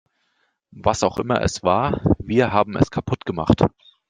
Was auch immer es war, wir haben es kaputt gemacht.